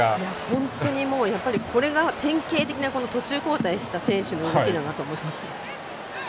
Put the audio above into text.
本当にこれが典型的な途中交代選手の勢いだなと思います。